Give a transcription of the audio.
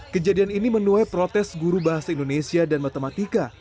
kejadian ini menuai protes guru bahasa indonesia dan matematika